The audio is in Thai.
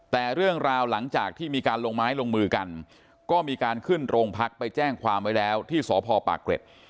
แต่เรื่องราวหลังจากที่มีการลงไม้ลงมือกันก็มีการขึ้นโรงพักไปแจ้งความไว้แล้วที่สพปากเกร็ด